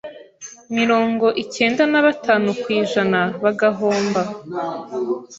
mirongo icyenda na batanu kwijana bagahomba.